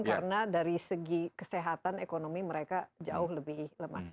karena dari segi kesehatan ekonomi mereka jauh lebih lemah